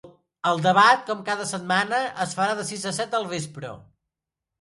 El debat, com cada setmana, es farà de sis a set del vespre.